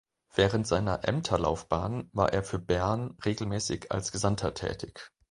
Während seiner Ämterlaufbahn war er für Bern regelmässig als Gesandter tätig.